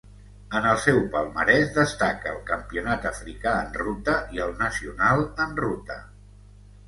En el seu palmarès destaca el Campionat africà en ruta i el nacional en ruta.